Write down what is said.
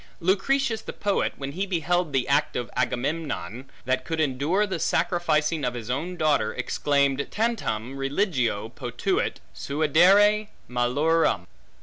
Lucretius the poet, when he beheld the act of Agamemnon, that could endure the sacrificing of his own daughter, exclaimed: Tantum Religio potuit suadere malorum.